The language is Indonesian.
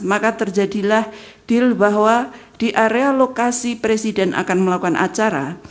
maka terjadilah deal bahwa di area lokasi presiden akan melakukan acara